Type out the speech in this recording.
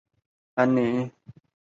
本条目也主要讲述普通国道。